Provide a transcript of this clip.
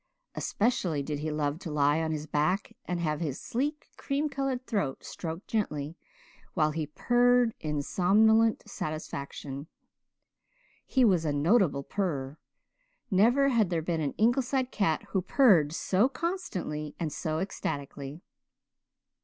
Especially did he love to lie on his back and have his sleek, cream coloured throat stroked gently while he purred in somnolent satisfaction. He was a notable purrer; never had there been an Ingleside cat who purred so constantly and so ecstatically.